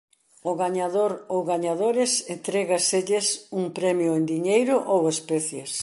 Ao gañador ou gañadores entrégaselles un premio en diñeiro ou especies.